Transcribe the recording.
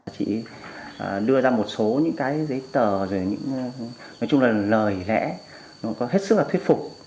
chị đưa ra một số những cái giấy tờ nói chung là lời lẽ có hết sức là thuyết phục